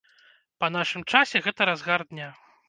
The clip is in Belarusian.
Па нашым часе гэта разгар дня.